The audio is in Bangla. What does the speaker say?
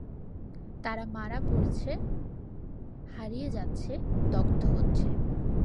তারা মারা পড়ছে, হারিয়ে যাচ্ছে, দগ্ধ হচ্ছে।